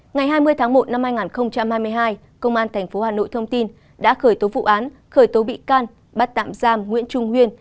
ngày hai mươi tháng một năm hai nghìn hai mươi hai công an tp hà nội thông tin đã khởi tố vụ án khởi tố bị can bắt tạm giam nguyễn trung huyên